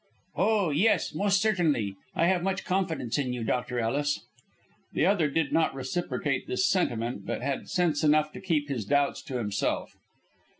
"Oh, yes, most certainly. I have much confidence in you, Dr. Ellis." The other did not reciprocate this sentiment, but had sense enough to keep his doubts to himself.